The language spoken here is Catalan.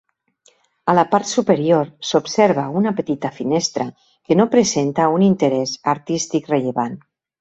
A la part superior s'observa una petita finestra que no presenta un interès artístic rellevant.